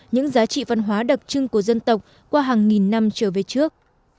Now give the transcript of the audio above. những giá trị văn hóa đặc trưng của dân tộc qua hàng nghìn năm trở về trước